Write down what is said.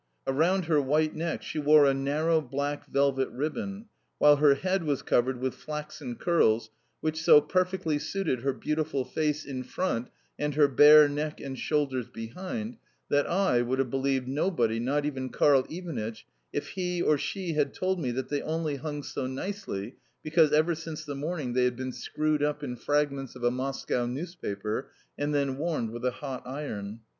Around her, white neck she wore a narrow black velvet ribbon, while her head was covered with flaxen curls which so perfectly suited her beautiful face in front and her bare neck and shoulders behind that I, would have believed nobody, not even Karl Ivanitch, if he, or she had told me that they only hung so nicely because, ever since the morning, they had been screwed up in fragments of a Moscow newspaper and then warmed with a hot iron.